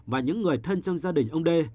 và những người thân trong gia đình ông d